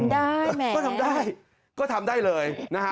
ได้แมวก็ทำได้ก็ทำได้เลยนะฮะ